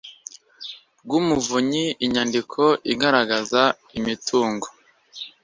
rw umuvunyi inyandiko igaragaza imitungo